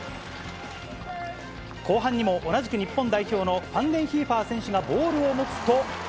後半にも同じく日本代表のファンデンヒーファー選手がボールを持つと。